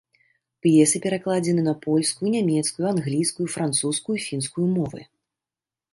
П'есы перакладзены на польскую, нямецкую, англійскую, французскую, фінскую мовы.